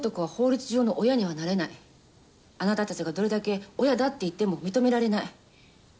あなたたちがどれだけ「親だ」って言っても認められない。